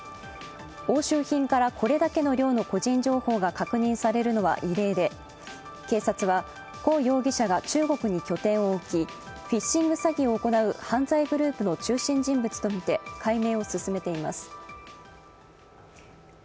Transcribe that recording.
押収品からこれだけの量の個人情報が確認されるのは異例で警察は、胡容疑者が中国に拠点を置き、フィッシング詐欺を行う犯罪グループの中心人物とみて解明を進めています。